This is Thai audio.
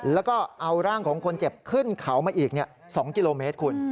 แล้วก็เอาร่างของคนเจ็บขึ้นเขามาอีก๒กิโลเมตรคุณ